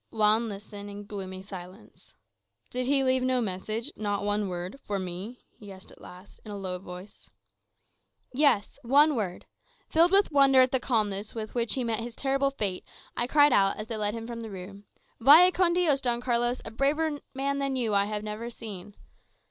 Juan listened in gloomy silence. "Did he leave no message, not one word, for me?" he asked at last, in a low voice. "Yes; one word. Filled with wonder at the calmness with which he met his terrible fate, I cried out, as they led him from the room, 'Vaya con Dios, Don Carlos, a braver man than you have I never seen!